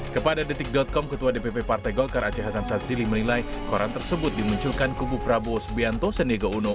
kepada detik com ketua dpp partai golkar aceh hasan sazili menilai koran tersebut dimunculkan kubu prabowo subianto sandiaga uno